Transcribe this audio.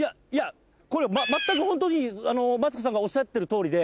これ全くホントにマツコさんがおっしゃってる通りで。